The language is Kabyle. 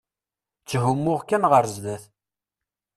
Tthumuɣ kan ɣer sdat.